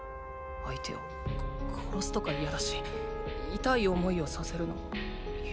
相手を殺すとか嫌だし痛い思いをさせるのも嫌だ。